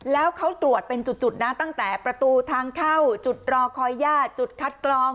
แล้วเขาตรวจเป็นจุดนะตั้งแต่ประตูทางเข้าจุดรอคอยญาติจุดคัดกรอง